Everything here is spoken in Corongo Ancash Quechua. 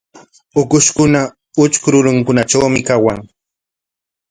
Ukushkuna utrku rurinkunatrawmi kawan.